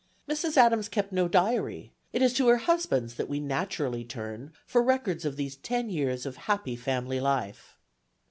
Mrs. Adams kept no diary; it is to her husband's that we naturally turn for records of these ten years of happy family life.